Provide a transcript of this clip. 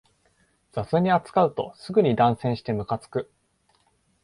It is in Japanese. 雑に扱うとすぐに断線してムカつく